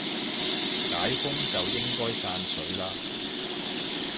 解封就應該散水啦